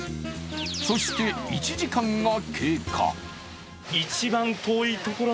そして１時間が経過。